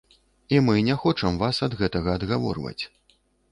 І мы не хочам вас ад гэтага адгаворваць.